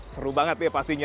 seru banget ya pasti